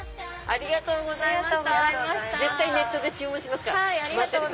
ありがとうございます。